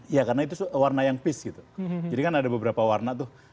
ya karena itu warna yang peace gitu jadi kan ada beberapa warna tuh